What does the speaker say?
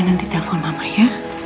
nanti telpon mama ya